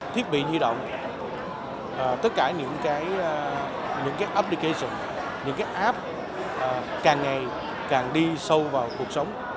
thiết bị di động tất cả những cái appication những cái app càng ngày càng đi sâu vào cuộc sống